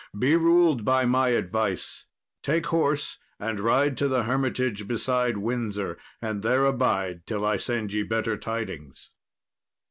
Be ruled by my advice. Take horse and ride to the hermitage beside Windsor, and there abide till I send ye better tidings."